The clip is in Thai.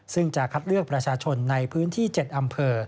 ซึ่งจะคัดเลือกประชาชนในพื้นที่๗อำเภอ